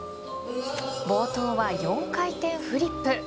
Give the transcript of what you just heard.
冒頭は４回転フリップ。